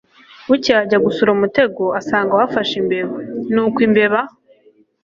bukeye ajya gusura umutego asanga wafashe imbeba. nuko imbeba